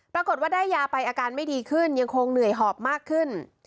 ปรากฏว่าได้ยาไปอาการไม่ดีขึ้นยังคงเหนื่อยหอบมากขึ้น